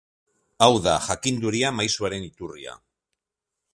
Hau da, jakinduria maisuaren iturria.